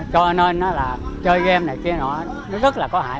cho nên chơi game này kia nó rất là có hại